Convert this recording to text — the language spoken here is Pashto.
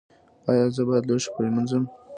ایا زه باید لوښي پریمنځم؟